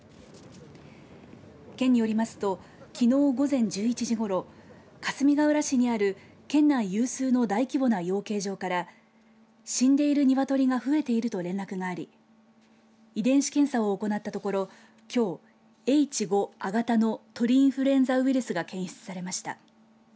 県によりますときのう１１時ごろかすみがうら市にある県内有数の大規模な養鶏場から死んでる鶏が増えていると連絡があり遺伝子検査を行ったところきょうＨ５亜型の鳥インフルエンザウイルスが検出されました。